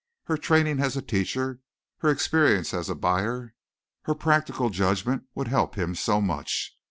Her training as a teacher, her experience as a buyer, her practical judgment, would help him so much.